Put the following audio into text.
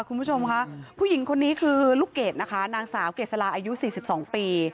คุณผู้ชมค่ะผู้หญิงคนนี้คือลูกเกดนะคะนางสาวเกษลาอายุ๔๒ปี